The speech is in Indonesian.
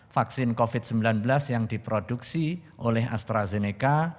vaksin covid sembilan belas yang diproduksi oleh astrazeneca